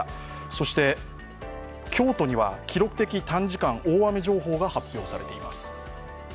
そして京都には記録的短時間大雨情報が発表されています。